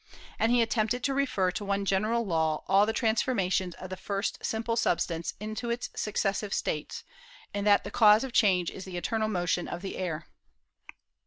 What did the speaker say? And he attempted to refer to one general law all the transformations of the first simple substance into its successive states, in that the cause of change is the eternal motion of the air.